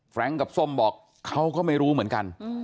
รงค์กับส้มบอกเขาก็ไม่รู้เหมือนกัน